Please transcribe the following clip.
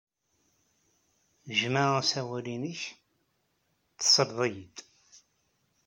Jmeɛ asawal-nnek, tesled-iyi-d!